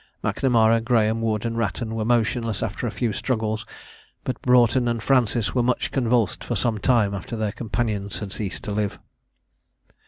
Macnamara, Graham, Wood, and Wratton were motionless after a few struggles, but Broughton and Francis were much convulsed for some time after their companions had ceased to live.